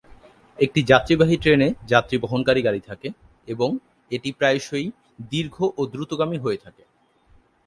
একটি যাত্রীবাহী ট্রেনে যাত্রী-বহনকারী গাড়ি থাকে এবং এটি প্রায়শই দীর্ঘ ও দ্রুতগামী হয়ে থাকে।